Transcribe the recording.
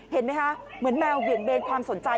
เห็นไหมครับเหมือนแมวเบนความสนใจ